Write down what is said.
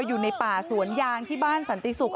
อยู่ในป่าสวนยางที่บ้านสันติศุกร์